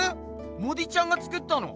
モディちゃんが作ったの？